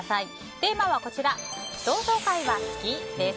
テーマは、同窓会は好き？です。